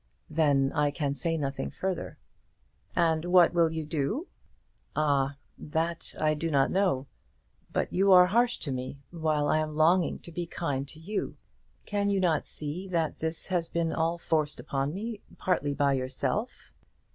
"Then I can say nothing further." "And what will you do?" "Ah; that I do not know. But you are harsh to me, while I am longing to be kind to you. Can you not see that this has been all forced upon me, partly by yourself?"